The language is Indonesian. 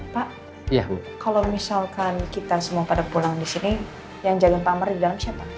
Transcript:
pak kalau misalkan kita semua pada pulang di sini yang jagain pamer di dalam siapa